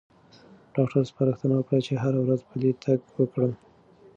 ډاکټر سپارښتنه وکړه چې هره ورځ پلی تګ وکړم.